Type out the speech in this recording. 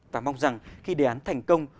và mong rằng khi đề án thành công